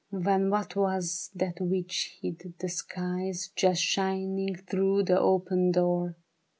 When what was that which hid the skies Just shining through the open door